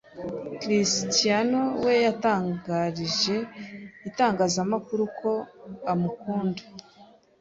Cristiano we yatangarije itangazamakuru ko amukunda